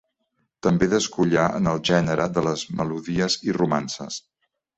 També descollà en el gènere de les melodies i romances.